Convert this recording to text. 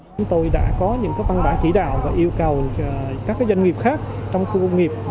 chúng tôi đã có những văn bản chỉ đạo và yêu cầu các doanh nghiệp khác trong khu công nghiệp